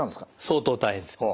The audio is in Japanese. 相当大変です。